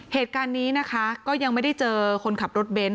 เหตุการณ์นี้นะคะก็ยังไม่ได้เจอคนขับรถเบนท